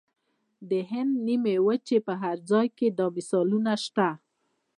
د هند د نیمې وچې په هر ځای کې دا مثالونه شته.